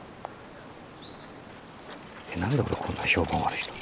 えっ何で俺こんな評判悪いの？